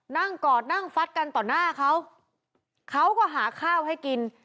กอดนั่งฟัดกันต่อหน้าเขาเขาก็หาข้าวให้กิน